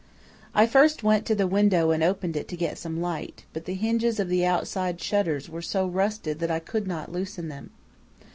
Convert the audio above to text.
"I first went to the window and opened it to get some light, but the hinges of the outside shutters were so rusted that I could not loosen them.